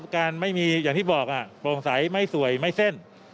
การไม่มีอย่างที่บอกโปร่งใสไม่สวยไม่เส้น